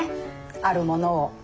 あるものを。